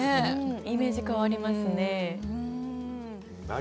イメージ変わりますね。